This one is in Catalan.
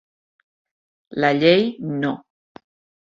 La Llei No.